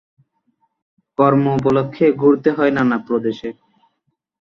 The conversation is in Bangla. কর্ম উপলক্ষ্যে ঘুরতে হয় নানা প্রদেশে।